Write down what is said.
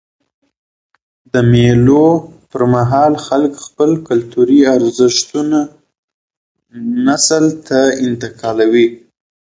د مېلو پر مهال خلک خپل کلتوري ارزښتونه نسل ته انتقالوي.